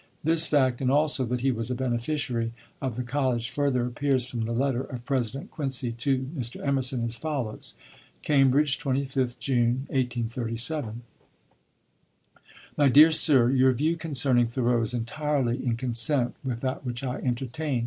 This fact, and also that he was a beneficiary of the college, further appears from the letter of President Quincy to Mr. Emerson, as follows: "CAMBRIDGE, 25th June, 1837. "MY DEAR SIR, Your view concerning Thoreau is entirely in consent with that which I entertain.